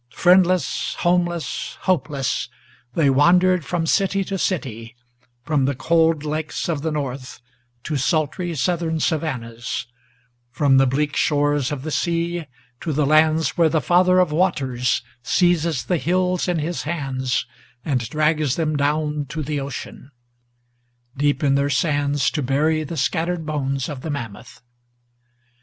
Friendless, homeless, hopeless, they wandered from city to city, From the cold lakes of the North to sultry Southern savannas, From the bleak shores of the sea to the lands where the Father of Waters Seizes the hills in his hands, and drags them down to the ocean, Deep in their sands to bury the scattered bones of the mammoth.